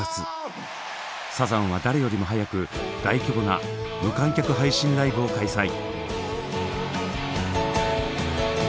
サザンは誰よりも早く大規模な無観客配信ライブを開催。